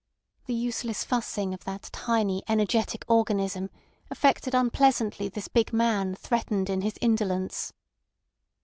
The useless fussing of that tiny energetic organism affected unpleasantly this big man threatened in his indolence.